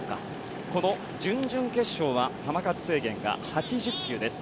この準々決勝は球数制限が８０球です。